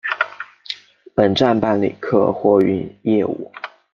本站办理客货运业务。